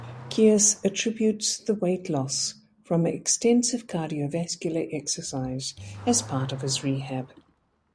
Kearse attributes the weight loss from extensive cardio-vascular exercise as part of his rehab.